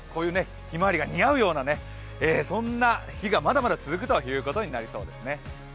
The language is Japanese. ひまわりが似合うような、そんな日がまだまだ続くということになりそうですね。